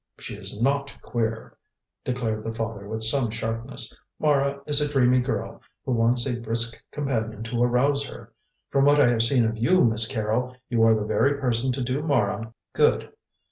"She is not queer," declared the father, with some sharpness. "Mara is a dreamy girl who wants a brisk companion to arouse her. From what I have seen of you, Miss Carrol, you are the very person to do Mara good.